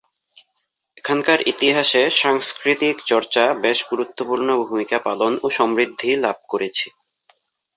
এখানকার ইতিহাসে সাংস্কৃতিক চর্চা বেশ গুরুত্বপূর্ণ ভূমিকা পালন ও সমৃদ্ধি লাভ করেছে।